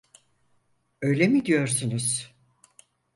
Öyle mi diyorsunuz?